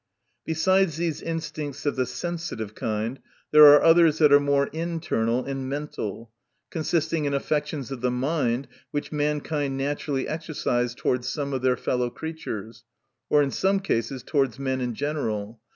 Besides these instincts of the sensitive kind, there are others that are more internal and mental ; consisting in affections of the mind, which mankind naturally exercise towards some of their fellow creatures, or in some cases towards men in general.